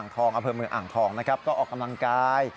ก็ออกกำลังกาย